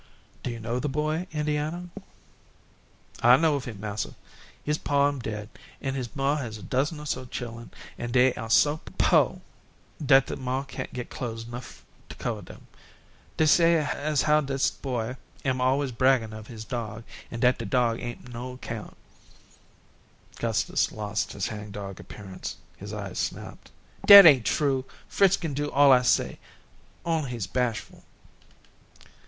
"Do you know the boy, Indianna?" "I know of him, massa. His paw am dead, an' his maw has a dozen or so of chilun, an' dey are so pooh dat the maw can't get clothes 'nuff to cover dem. Dey say as how dis boy am always braggin' of his dog, and dat the dog am no 'count." Gustus lost his hang dog appearance. His eyes snapped. "Dat ain't true. Fritz kin do all I say, only he's bashful."